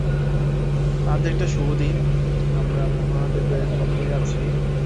আজ একটা শুভ দিন, আমরা মহাদেবের মন্দিরে আছি।